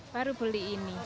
baru beli ini